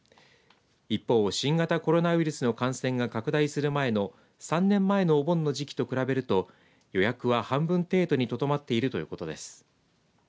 一方、新型コロナウイルスの感染が拡大する前の３年前のお盆の時期と比べると予約は半分程度にとどまっているということです。